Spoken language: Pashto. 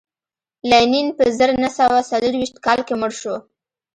لینین په زر نه سوه څلرویشت کال کې مړ شو